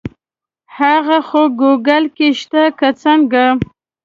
هغه خو ګوګل کې شته که څنګه.